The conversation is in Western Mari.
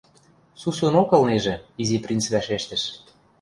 — Сусунок ылнежӹ, — Изи принц вӓшештӹш.